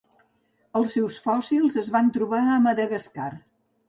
Els seus fòssils es van trobar a Madagascar.